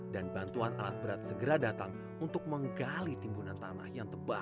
dan bantuan alat berat segera datang untuk menggali timbunan tanah yang tebal